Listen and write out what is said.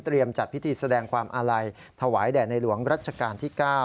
จัดพิธีแสดงความอาลัยถวายแด่ในหลวงรัชกาลที่๙